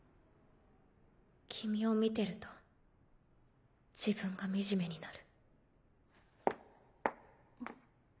君を見てると自分が惨めになる。